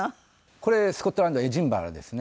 これスコットランドエディンバラですね。